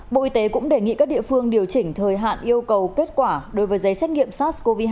bộ y tế cũng đề nghị các địa phương điều chỉnh thời hạn yêu cầu kết quả đối với giấy xét nghiệm sars cov hai